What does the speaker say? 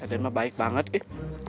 raden mah baik banget eh